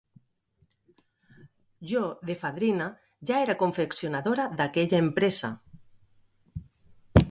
Jo de fadrina ja era confeccionadora d’aquella empresa.